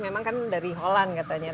memang kan dari holand katanya